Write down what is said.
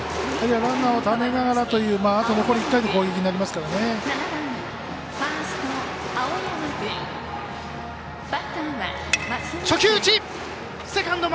ランナーをためながらというあと残り１回の攻撃に初球打ち！